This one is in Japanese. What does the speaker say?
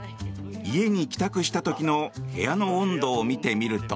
家に帰宅した時の部屋の温度を見てみると。